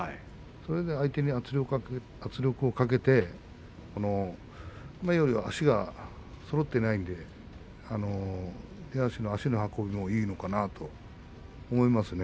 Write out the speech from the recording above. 相手に圧力をかけて、前より足がそろっていないので出足の足の運びもいいのかなと思いますね。